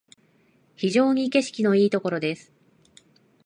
非常に景色のいいところです